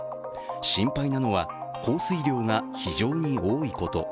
心配なのは降水量が非常に多いこと。